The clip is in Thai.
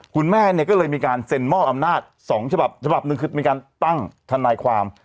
คุณแม่เนี่ยก็เลยมีการเซ็นมอบอำนาจ๒ฉบับฉบับหนึ่งคือมีการตั้งทนายความ